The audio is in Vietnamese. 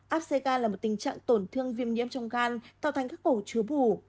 áp xe gan là một tình trạng tổn thương viêm nhiễm trong gan tạo thành các cổ chứa bù